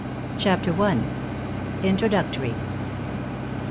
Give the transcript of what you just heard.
CHAPTER I. INTEODUCTORY.